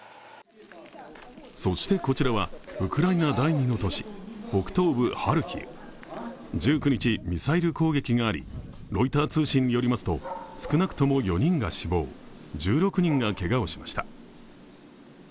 そしてこちらは、ウクライナ第二の都市、北東部ハルキウ。１９日、ミサイル攻撃がありロイター通信によりますと少なくとも４人が死亡、１６人がけがをしました。